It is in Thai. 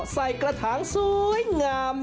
ใส่กระถางสวยงาม